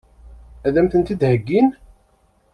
Ad m-tent-id-heggin?